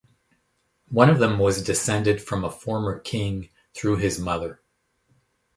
One of them was descended from a former king through his mother.